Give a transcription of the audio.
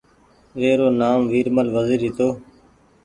وي رو نآم ورمل وزير هيتو